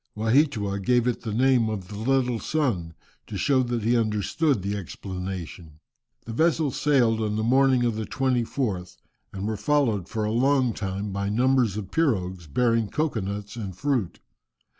Waheatua gave it the name of the "little sun," to show that he understood the explanation. The vessels sailed on the morning of the 24th, and were followed for a long time by numbers of pirogues bearing cocoa nuts and fruit.